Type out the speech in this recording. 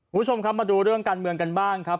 คุณชมมาดูเรื่องการเมืองกันบ้างครับ